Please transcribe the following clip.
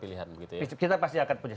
pilihan yang lebih penting